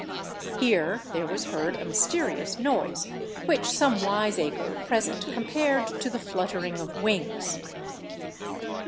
[Here there was heard a mysterious noise, which some wiseacre present compared to the fluttering of wings.